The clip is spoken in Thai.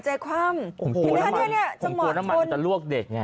กินทำมันจะรั่วออกะ